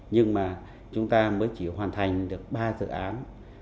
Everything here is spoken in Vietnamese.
nhưng mà chúng ta mới chỉ hoàn thành được ba dự án